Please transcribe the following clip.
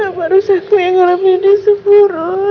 tapi kenapa harus aku yang ngelakuin disimul roy